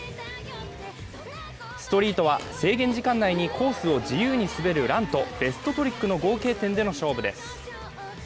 ストリートは制限時間内にコースを自由に滑るランとベストトリックの合計点での勝負です。